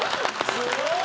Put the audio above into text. すごーい！